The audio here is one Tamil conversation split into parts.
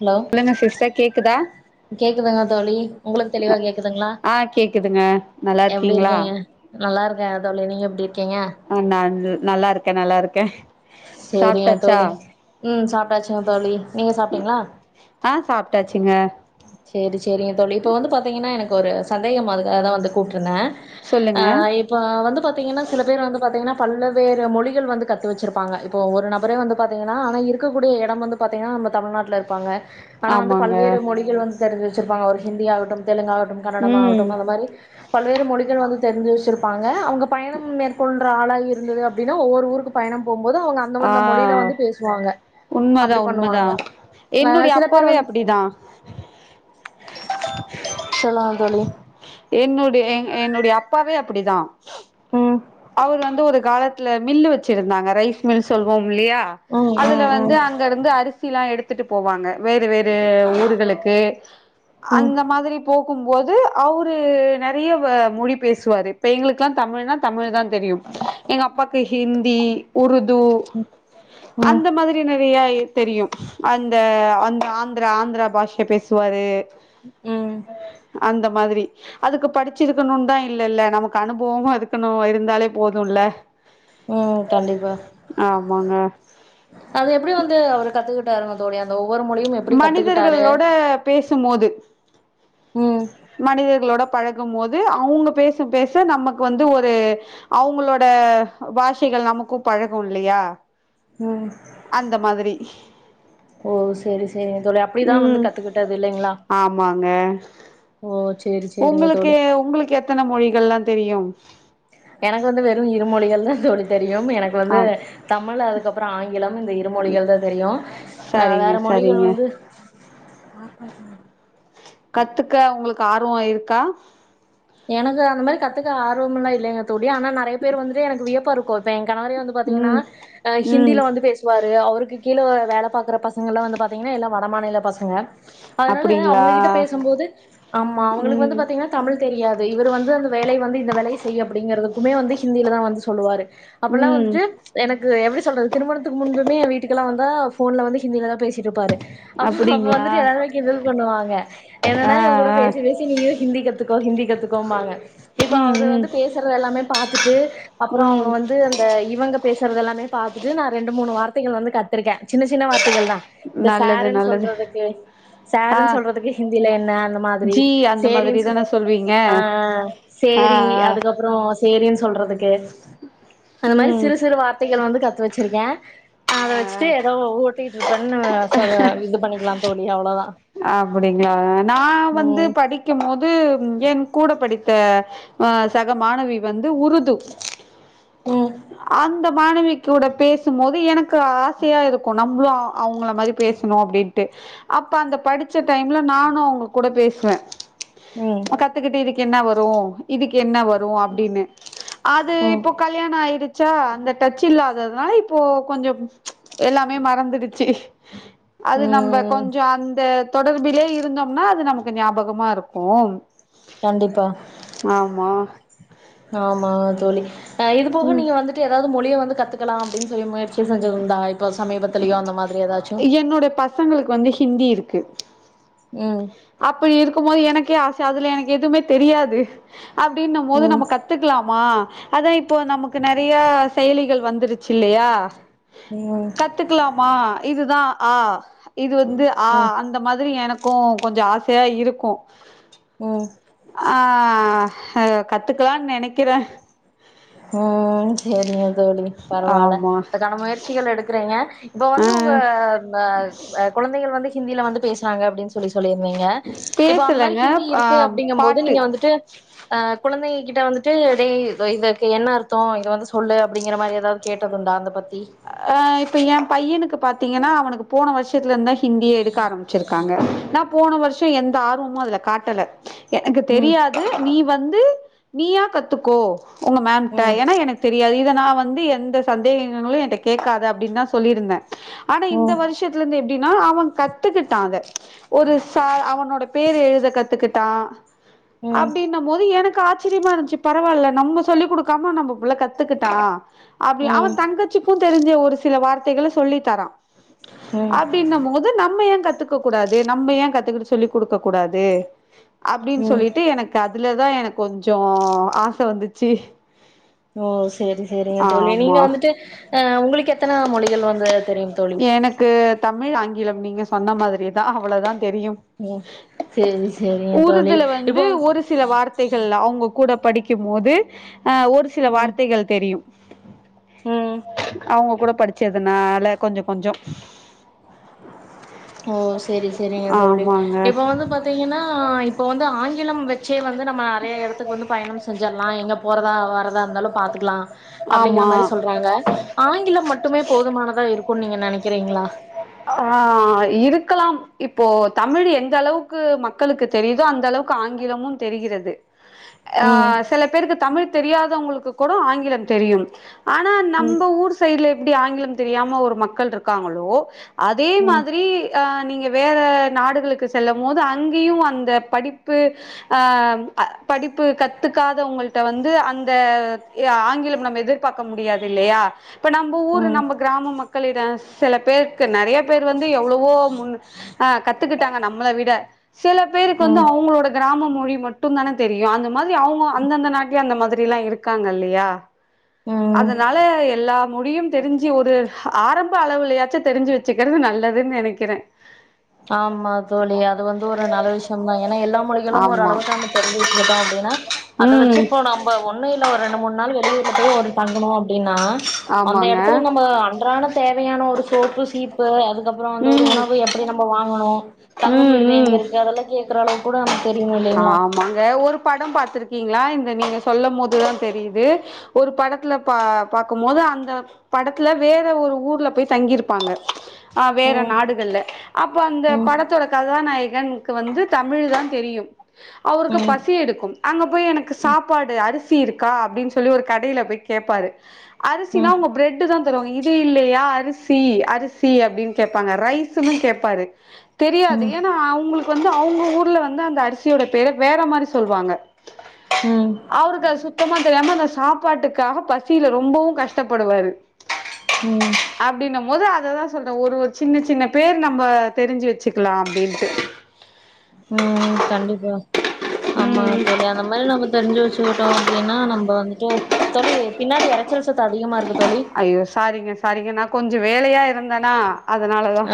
ஹலோ சொல்லுங்க சிஸ்டர் கேக்குதா கேக்குதுங்க தோழி உங்களுக்கு தெளிவா கேக்குதுங்களா ஆ கேக்குதுங்க நல்லா எப்டி இருக்கீங்களா இருக்கீங்க நல்லா இருக்கே தோழி நீங்க எப் ஆ நா நல்லாருக்கே நல்லாருக் கே சேரிங்க தோழி ம் சாப்பிட்டாச்சுங்க தோழி நீங்க சாப்பிட்டீங்களா ஆ சாப்ட்டாச்சுங்க சேரி சேரிங்க தோழி இப்ப வந்து பாத்தீங்கன்னா எனக்கு ஒரு சந்தேகமா அது அதா வந்து கூப் னா சொல்லுங்க இப்ப வந்து பாத்தீங்கன்னா சில பேர் வந்து பாத்தீங்கன்னா பல்லவேறு மொழிகள் வந்து கத்து வச்சுருப்பாங்க இப்போ ஒரு நபரே வந்து பாத்திங்கன்னா ஆனால் இருக்கக்கூடிய எடம் வந்து பாத்திங்கன்னா நம்ம தமிழ்நாட்டில இருப்பாங்க ஆனா வந்து ஆமாங்க பல்வேறு மொழி வந்து தெரிஞ்சி வச்சிருப்பாங்க ஒரு ஹிந்தி ஆகட்டு தெலுங்காகட்டும் ம் கன்னடமாகட்டும் அந்த மாரி பல்வேறு மொழிகள் வந்து தெரிஞ்சு வச்சிருப்பாங்க அவங்க பயணம் மேற்கொள்ற ஆளா இருந்தது அப்டின்னா ஒவ்வொரு ஊருக்கு பயணம் போ ம்போது அவங்க ஆ அந்தந்த மொழியில வந்து பேசுவாங்க உண்மதா அப்டி உண்மதா பண்ணுவாங்க ஆ என்னுடைய சில பேர் அப்பாவே வந்து அப்டிதா சொல்லுங்க தோழி என்னுடைய எங் என்னுடைய அப்பாவே அப்பிடிதா ம் அவர் வந்து ஒரு காலத்துல மில்லு வச்சிருந்தாங்க ரைஸ் மில் சொல்வோம் இல்லையா ம் அதுல ம் வந்து ம் அங்க இருந்து அரிசி எல்லா எடுத் துட்டு போவாங்க வேற வேற ஊர்களுக்கு ம் அந்த மாதிரி போ கும்போது அவரு நெறைய வ மொ வழி பேசுவாரு இப்ப எங்களுக்குலா தமிழ்னா தமிழ்தா தெரியு எங்க அப்பாக்கு ஹிந்தி, உரு து ம் அந்த மாதிரி நெறைய இ தெரியு அந்த அந்த ஆந் திரா ஆந்திரா பாஷ பேசுவாரு ம் அந்த மாதிரி அதுக்கு படிச்சிருக்கணுன்தா இல்லல்ல நமக்கு அனுபவமு அதுக் க்கணு இருந்தாலே போதுல்ல ம் கண்டிப்பா ஆமாங்க அது எப்பிடி வந்து அவரு கத்துக்கிட்டாருங்க அதோடய அந்த ஒ மனிதர்களோட பேசும்போது ம் மனிதர்களோட பழகும் போது அவங்க பேச பேச நமக்கு வந்து ஒரு அவங்களோட பாஷைகள் நமக்கு பழகு இல்லையா ம் அந்த மாதிரி ஓ செரி செரிங்க தோழி அப்பிடிதா வந்து ம் கத்துக்கிட்டது இல்லைங்களா ஆமாங்க ஓ சேரி சேரிங்க உங்களுக்கு தோழி உங்களுக்கு எத்தன மொழிகள்லாந் தெரியு? எனக்கு வந்து வெறு இரு மொழிகள்தா தோழி தெரியு ம் எனக்கு ஆ வந்து தமிழ் அதுக்கப்புறோ ஆங் கிலம் இந்த இரு மொழிகள்தா தெரியு ஆ சரிங்க வேற மொழிகள் சரிங்க வந்து [inaudible] கத்துக்க ஒங்களுக்கு ஆர்வோ இருக்கா எனக்கு அந்த மாரி கத்துக்க ஆர்வம் எல்லாம் இல்லைங்க தோழி ஆனா நெறய பேர் வந்துட்டு எனக்கு வியப்பா இருக்கு எ கணவரே வந்து பாத்தீங்கனா ம் ஆ ம் ஹிந்தியில வந்து பேசுவாரு அவருக்கு கீழ வேல பாக்குற பசங்களலா வந்து பாத்திங்கனா எல்லா வடமாநில பசங்க அதனால அப்டிங்களா அவுங்க கிட்ட பேசும்போது ஆமா அவுங்களுக்கு வந்து ம் பாத்தீங்கனா தமிழ் தெரியாது இவர் வந்து அந்த வேலய வந்து இந்த வேலய செய் அப்டிங்கிறதுக்குமே வந்து ஹிந்தியில தா வந்து சொல்லுவாரு அப்பல்லா ம் வந்துட்டு எனக்கு எப்டி சொல்றது திருமணத்துக்கு முன்புமே எ வீட்டுக்கெல்லா வந்து ஆ போன்ல வந்து ஹிந்தியில தா வந்து பேசிட்டு இருப்பாரு அப்ப அப்ப அப்டிங்களா வந்துட்டு எல்லாருமே கிண்டல் பண்ணுவாங்க என்னன்னா ஆ இவுங்க கூட ஆ பேசி பேசி நீயு ஹிந்தி கத்து ஹிந்தி கத்துக்கோம்பாங்க இப்ப அவர் ம் ம் வந்து பேசுறது எல்லாமே பாத்துட்டு அப்றோ அவுங்க ம் வந்து அந்த இவுங்க பேச பேசுரது எல்லாமே பாத்துட்டு நா ரெண்டு மூனு வார்த்தைகள் வந்து கத்துருக்கே சின்ன சின்ன வார்த்தைகள் தா இந்த நல்லது சாருன்னு நல்லது சொல்றதுக்கு ஆ சாருன்னு சொல்றதுக்கு ஹிந்தியில என்ன அந்த மாதிரி ஜி அந்த மாதிரி சேரின்னு தான சொல்ற சொல்வீங்க ஆ ஆ சேரி ஆ அதுக்கப்றோ சேரின்னு சொல்றதுக்கு அந்த மாதிரி ம் சிறு சிறு வார்த்தைகள் வந்து கத்து வச் வச்சிருக்கே அத வச்சிட்டு ஏதோ ஓட்டிட்டு இருப்பேன்னு சொல்ல இது பண்ணிக்கலா தோழி அவ்ளோ அவ்ளதா அப்டிங்ளா நா வந்து ம் படிக்கும் போது என் கூட படித்த ஆ சக மாணவி வந்து உருது ம் அந்த மாணவிக் கூட பேசும்போது எனக்கு ஆசையா இருக்கு நம்மளு அவுங்ள மாரி பேசணு அப்டின்ட்டு அப் அப்ப அந்த படிச்ச டைம்ல நானு அவூங்க கூட பேசுவே ம் கத்துக்கிட்டு இருக்க என்ன வரு இதுக்கு என்ன வரு அப்டின்னு அது ம் இப்போ கல்யாண ஆயிடுச் சா அந்த டச்சு இல்லாததுனால இப்போ கொஞ்சோ எல்லாமே மறந்துடுச்சு அது நம்ப ம் கொஞ்ச அந்த தொடர்பிலே இருந்தோம்னா அது நமக்கு ஞாபகமா இருக்கு கண்டிப்பா ஆமா ஆமா தோழி இது போக நீங்க வந்துட்டு எதா வது மொழிய வந்து கத்துக்கலாம் அப்டின்னு சொல்லி முயற்சி செஞ்சதுண்டா இப்போ சமீபத்துலயோ அந்த மாதிரி ஏதாச்சும் என்னோடைய பசங்களுக்கு வந்து ஹிந்தி இருக்கு ம் அப்படி இருக்கும் போது எனக்கே ஆசை அதுல எனக்கு எதுவுமே தெரியாது அப்டின்னும் போது ம் நம்ம கத்துக்கலாமா அதான் இப்போ நமக்கு நறையா செயலிகள் வந்துருச்சு இல்லையா ம் கத்துக்கலாமா இதுதான் ஆ இ வந்து ஆ ம் அந்த மாதிரி எனக் போம் கொஞ்சம் ஆசையா இருக்கும் ம் ஆ ஏதோ கத்துக்கலாம்ன்னு நெனைக்கிறேன் ம் சேரிங்க தோழி பரவாயில்ல ஆமா அதுக்கான முயற்சிகள் எடுக்குறீங்க இப்ப ஆ வந்து உங்க அந்த குழந்தைங்க வந்து ஹிந்தியில வந்து பேசுறாங்க அப்டின்னு சொல்லி சொல்லியிருந்தீங்கல இப்ப அந்த மாதிரி பேசலங்க ஹிந்தி ஆ இருக்கு அப்படிங்க போது பாட்டு நீங்க வந்துட்டு ஆ குழந்தைங்க கிட்ட வந்துட்டு இதே இது க்கு என்ன அர்த்தம் இத வந்து சொல்லு அப்படிங்கிற மாதிரி ஏதாவது கேட்டது உண்டா அத பத் ஆ இப்ப என் பையனுக்கு பாத் தீங்கன்னா அவனுக்கு போன ஆஷத்துல வந்து ஹிந்திய எடுக்க ஆரம்பிச்சிருக்காங்க போன வருஷம் எந்த ஆர்வமும் அதுல காட்டல எனக்கு ம் தெரியாது நீ வ ந்து நீயா கத்துக்கோ உங்க மேம்ட்ட ம் ஏன்னா எனக்கு தெரியாது இத நான் வந்து எந்த சந்தேகங்களும் என்ட கேட்காத அப்படின்னு தான் சொல்லிருந்தேன் ஆனா இந்த ம் வருஷத்துல இருந்து எ ப்டினா அவங் கத்துக்கிட்டாங்க ஒரு ச அவனோட பேரு எழுத கத்துக்கிட்டா ம் அப்டின்னம்போது என க்கு ஆச்சரியமா இருந்துச்சு பரவால்ல நம்ம சொல்லி் குடுக்காம நம்ப புள்ள கத்துக்கிட்டா அப்டி அவ ம் தங்கச்சிக் கு தெரிஞ்ச ஒரு சில வார்த்தைகள சொல்லி தரா ம் அப்டின்னம்போது நம்ம ஏன் கத் துக்கக் கூடாது நம்ம ஏன் கத்துக்கிட்டு சொல்லி் குடுக்கக் கூடாது அப்டின்னு ம் சொல்லிட்டு எனக்கு அத் அதுலதா எனக்கு கொஞ்சோ ஆச வந்துச்சி ஓ சேரி சேரிங்க தோழி நீங்க ஆமா வந்துட்டு ஆ உங்களுக்கு எத்தன மொழிகள் வந்து தெரியும் தோழி? எனக்கு தமிழ், ஆங்கிலம் நீங்க சொன்ன மாதிரிதா ஆ அவ்ளவுதா தெரியு ம் சேரி சேரிங்க தோழி உருதுல வந்து இப்போ ஒரு சில வார்த்தைகள் அவங்க கூட படிக்கும் போது ஆ ஒரு சில ம் வார்த்தைகள் தெரியு ம் அவங்க கூட படிச்சதுனால கொஞ்சோ கொஞ்சோ ஓ செரி செரிங்க தோழி ஆமாங்க இப்ப வந்து பாத்தீங்கன்னா இப்ப வந்து ஆங்கிலம் வெ ச்சே வந்து நம்ம நெறைய எடத்துக்கு வந்து பயணம் செஞ்சர்லா எங்க போறதா வர தா இருந்தாலு பாத்துக்கலா அப்டிங்கிற ஆமா மாரி சொல்றாங்க. ஆங்கிலம் மட்டுமே போதுமானதா இருக்குன் நீங்க நெனைக்கிறீங்களா? க்கலாம். இப்போ தமிழ் எந்த அளவுக்கு மக்களுக்கு தெரியுதோ அந்த அளவுக்கு ஆங்கிலமு தெரிகிறது. ஆ ம் சில பேருக்கு தமிழ் தெரியாதவங்களுக்கு கூட ஆங்கிலம் தெரியும் ஆனா ம் நம்ப ஊர் சைட்ல எப்டி ஆங்கிலம் தெரியாம ஒரு மக்கள் இருக்காங்களோ அதே ம் மாதிரி அ நீங்க வேற நாடுகளுக்கு செல்லு மோது அங்கியு அந்த படிப்பு அந்த அ படிப்பு கத்துக்காதவங்கள்ட்ட வந்து அந்த எ ஆங்கில நம்ம எதிர்பாக்க முடியாது இல்லயா இப்ப நம்ம ஊர் ம் நம்ம கிராம மக் க்களிட சில பேருக்கு நெறைய பேர் வந்து எவ்வவோ முன் அ கத்துக்கிட்டாங்க நம்மள விட சில பேருக்கு வந்து ம் அவங்களோட கிராமமு மொழி மட்டுதான தெரியு அந்த மாதிரி அவுங்க அந்த அந்த நாக்கே அந்த மாதிரி இப்பிடில்லா இருக்காங்க இல்லயா ம் முடியும் தெரிஞ்சி ஒரு ஆரம்ப அளவுலயாச்சு தெரிஞ்சு வச்சுக்கிறது நல்லதுன் நெனைக்கிறே ஆமா தோழி அது வந்து ஒரு நல்ல விஷ்யோதா ஏன்னா எல்லா மொழிகளு ஆமா ஒரளவுக்கு நம்ம தெரிஞ்சி வச்சுக்கிட்டோ அப்பிடின்னா அத வச்சி ம் இப்போ நம்ம ஒன்னு இல்ல ரெண்டு மூன் நாள் வெளியூர்ல போய் ஒரு தங்கனு அப்பிடின்னா அந்த ஆமாங்க எடத்துல நம்ம அன்றாட தேவையான ஒரு சோப்பு சீப்பு அது அப்புறோ அந்த ஒரு ம் உணவு எப் நம்ப வாங்கனு தங்கு ம் விடுது எங்க ம் இருக்கு அதெல்லா கேக்குற அளவுக் கூட நமக் ஆமாங்க ஒரு படோ பாத்ருக்கிங்களா இந் து நீங்க சொல்ல மோதுதா தெரியுது ஒரு படதுல பா பாக்கும் மோது அந்த படதுல வேற ஒரு ஊர்ல போயி தங்கிருபாங்க வேற ம் நாடுகள்ல்ல அப்போ அந்த ம் படதோட கதாநாயகன் க்குவந்து தமிழ் தா தெரியு அவுருக்கு ம் பசி எடுக்கு அங்க போயி எனக்கு சாப்பாடு அரிசி தியிருகா அப்பிடின் சொல்லி ஒரு கடையில போயி கேப்பாரு அரிசினா ம் அவுங்க பிரெட் தா த்ருவங்க இது இல்லையா அரிசி அரிசி அப்பிடின் கேப்பாங்க ரைசுனு கேபாரு தெரியாது ம் ஏனா அவுங்களு ப்வந்து அவுங்க ஊர்ல வந்து அந்த அரிசி தியேட பேர வேற மாரி சொல்வாங்க ம் அவுருகு அது சுத்தமா தெரியம கஷ் சாப்பாட்டுகாக பசியில ரொபவு கஷ்டபடுவாரு ம் அப்டினு போது அ அததா சொல்றே ஒரு ஒரு சின்ன சின்ன பேர் நம்ம தெரிஞ்சி வச்சுக்லா அப்டின்ட்டு ம் கண்டிப்பா ஆமா ம் தோழி அந்த மாரி நம தெரிஞ்சி வச்சுகிட்டோ அப்டினா நம்ம வந்துட்டு தோழி பின்னாடி எறச்சல் சத்தோ அதிகமாயிருக்கு அய்யோ சாரிங்க சாரிங்க நா கொஞ்சோ வேலயா இருந்தனா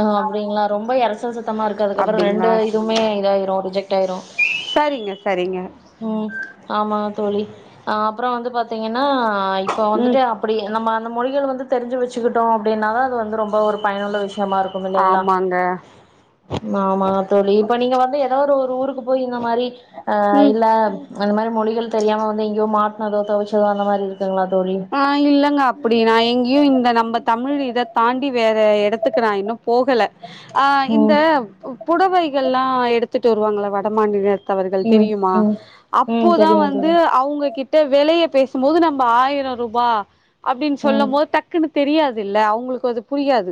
ஆ அப்டிங்ளா ரொம்ப எரச்சல் சத்தமா இருக்கு அதுகப்றோ ரெண்டு அப்டிங்களா இதுமே இதாயிரு ரிஜெக்ட் ஆயிரு சரிங்க சரிங்க ம் ஆமாங்க தோழி ஆ அப்றோ வந்து பாத்திங்கனா ஆ இப்ப வந்துட்டு ம் அப்டி நம்ம அந்த மொழிகள் வந்து தெரிஞ்சு வச்சுகிட்டோ அப்டினாவே அது வந்து ரொம்ப ஒரு பயனுள்ள விஷ் திகமா யிருக்கு இல்லைங்ளா ஆமாங்க ஆமாங்க தோழி ப்ப நீங்க வந்து ஏதாது ஒரு ஊருக்கு போயி இந்த மாரி ஆ ம் ஆ அந்த மாரி மொழிகள் தெரியாம வந்து எங்யோ மாட்னது தவிச்சதோ அந்த மாரி யிருக் ஆ இல்லங்க அப்டி நா எங்கேயே இந்த நம்ம தமிழ் இத தாண்டி வேற எங்கே த எடத்துகு நா இன்னு போகல ஆ இந்த ம் புடவைகள் எல்லா எடுத்துட்டு வருவாங்கள வடமாநிலத் தவர்கள் ம் தெரியுமா ம் ம் அபோதா தெரியு வந்து தோழி அவுங்க கிட்ட வெளய பேசும்போது நம்ம ஆயிரம் ரூபா அப்டின்னு ம் சொல்லம் போது டக்குன்னு தெரியாது இல்ல அவுங்களுக்கு அது புரியாது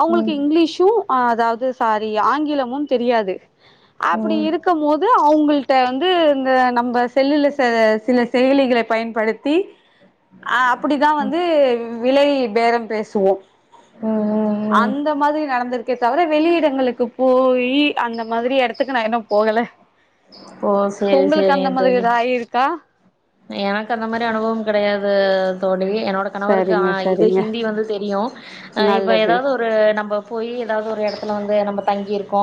அவுங்களுக்கு ம் இங்கிலீஷும் ஆ அதாவது சாரி ஆங்கிலமும் தெரியாது ம் அப்டி ம் இருக்கம் போது அவுங்களுக்கு கிட்ட வந்து இந்த நம்ம செல்லுல செல சில செயலிகள பயன்படுத்தி அ அப்டிதா வந்து விலை பேரம் பேசுவோ ம் ம் அந்த மாதிரி நடந்திருக் க்கே தவிர வெளிய இடங்களுக்கு போய் அந்த மாதிரி எடத்துக்கு நா இனும் போகல ஓ சேரி உங்களுக்கு அந்த சேரிங்க மாதிரி தோழி ஏத ஆயிருக்கா எனக்கு அந்த மாதிரி அனுபவம் கிடையாது தோழி என்னோட கணவருக்கு சரிங்க இது சரிங்க ஹிந்தி வந்து தெரியு இப்ப நல்லது ஏதாவது ஒரு நம்ம போய் ஏதாவது ஒரு எடத்துல வந்து நம்ம தங்கி இருக் கோ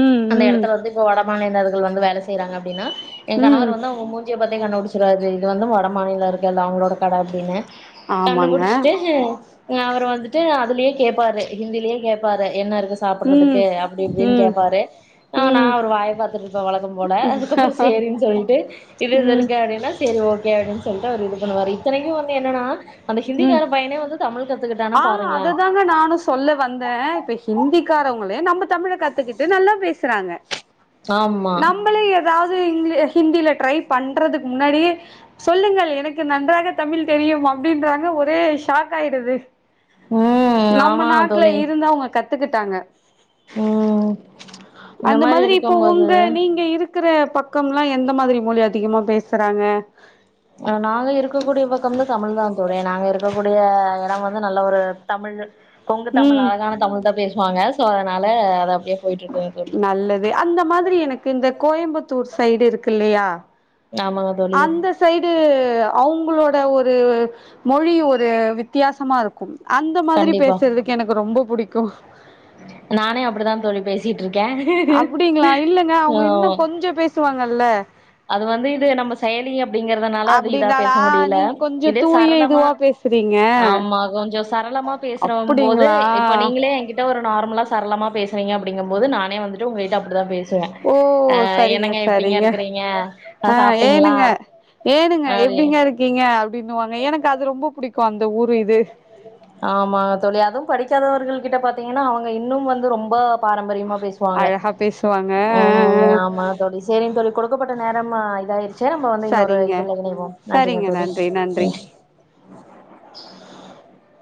ம் அந்த ம் எடத்துல வந்து இப்ப வடமாணிலம் கள் வந்து வேல செய்யறாங்க அப்டின்னா எ ம் கணவர் வந்து அவங்க மூஞ்சிய பாத்தே கண்டுபுடிச்ச இது வந்து வட மாநிலர்கள் அவங்களோட கட அப்டின்னு ஆமாங்க கண்டுபுடிச்சுட்டு அவர் வந்துட்டு அதுலயே கேப்பாரு ஹிந்திலயே கேப்பாரு என்ன இருக் ம் சாப்பிட்றதுக்கு அப்டி இப்டின்னு ம் கேப்பாரு நா ம் அவரு வாய பாத்தட்டு இருப்பே வழக்கம் போல அதுக்கப்ரோ சேரினு சொல்லிட்டு இதுல ம் இருக்க சரி ஓகே அப்டின்னு சொல்லிட்டு அவர் இது பண்ணுவாரு இத்தனைக்கு வந்து என்னன்னா அந்த உ ஹிந்திக்கார பையனே வந்து தமிழ் கத்துக்கிட்டானா ஆ பாருங்களே அததாங்க நானு சொல்ல வந்தே இப்ப ஹிந்திக்காரவங்களே நம்ம தமிழ கத்துக்கிட்டு நல்லா பேசுறாங்க ஆமா நம்மளே ஏதாவது ஹிந்தில ட்ரை பண்றதுக்கு முன்னாடியே சொல்லுங்கள் எனக்கு நன்றாக தமிழ் தெரியு அப் அப்டின்றாங்க ஒரே ஷாக் ஆயிடுது ம் நம்ம ஆமா நாட்டுல தோழி இருந்து அவங்க கத் த்துக்கிட்டாங்க ம் இந்த அந்த மாரி மாதிரி இப்போ இருக்கும்போது உங்க நீங்க இருக்கிற பக் பக்கம் எல்லா எந்த மாதிரி மொழி அதிகமா பேசுறாங்க அ நாங்க இருக்க கூடிய பக்கம் தமிழ் தா போரே நாங்க இருக்கக்கூடிய எடம் வந்து நல்ல ஒரு தமிழ் கொங்கு தமிழ் ம் அழகான தமிழ் தா பேசுவாங்க சோ அதனால அது அப்டியே போயிட்ருக்கு நல்லது அந்த மாதிரி எனக்கு இந்த கோயம்புத் தூர் சைடு இருக்கு இல்லையா ஆமாங்க தோழி அந்த சைடு அவங்களோட ஒரு மொழி ஒரு வித்தியாசமா இருக்கும் அந்த மாதிரி கண்டிப்பா பேசுறதுக்கு எனக்கு ரொம்ப புடிக் கும் நானே அப்படித்தான் தோழி பேசிட் ருக்கேன் அப்டிங்களா இல்லங்க அவங்க ஆமா இன்னு கொஞ்சோ பேசுவாங்கல்ல அது வந்து இது நம்ம செயலி அப்படிங்கிறதுனால அது இதா பேச அப்டின்னாலா முடியல நீங்க கொஞ்சோ இதே தூய சரளமா இதுவா பேசுறீங்க ஆமா கொஞ்சம் சரளமா பேசற போது அப்டிங்களா இப்ப நீங்களே எங்கிட்ட ஒரு நார்மலா சரளமா பேசுவீங்க அப்படிங்கும் போது நானே வந்துட்டு உங்ககிட்ட அப்படிதான் பே ஓ சரிங்க சரிங்க இருக்குறீங்க ஆ ஏனுங்க ஏனுங்க அப்டி எப்படிங்க இருக்கீங்க இப்படிங்குவாங்க எனக்கு அது ரொம்ப புடிக் ஆமாங்க தோழி அதுவும் படிக்காதவர்கள் கிட்ட பாத்தீங்கன்னா அவுங்க இன்னும் வந்து ரொம்ப பாரம்பரியமா பேசுவாங்க அழகா பேசுவாங்க ஆ ம் ஆ ஆமா தோழி சேரின் தோழி குடுக்கப்பட்ட நே ஆமா இதாயிரு செரி நம்ப வந்து இன்னொரு சரிங்க இதுல இணைவோம் நன்றிங்க சரிங்க நன்றி நன்றி தோழி [unintelligible]